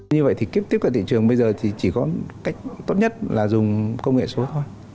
như vậy thì tiếp cận thị trường bây giờ thì chỉ có cách tốt nhất là dùng công nghệ số thôi